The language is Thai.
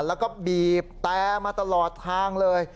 แล้วก็บีบแต่มาตลอดทางเลย